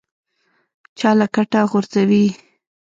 چا له کټه غورځوي.